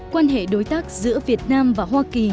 quan hệ đối tác giữa việt nam và hoa kỳ